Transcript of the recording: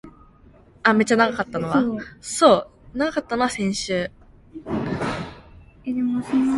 왜, 이래, 남 귀치 않게.